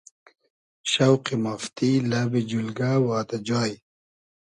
شۆقی مافتی، لئبی جولگۂ وادۂ جای